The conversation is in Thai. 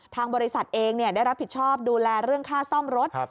ทางบริษัทเองได้รับผิดชอบดูแลเรื่องค่าซ่อมรถ